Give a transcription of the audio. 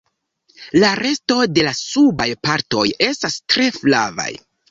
La resto de la subaj partoj estas tre flavaj.